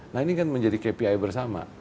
nah ini kan menjadi kpi bersama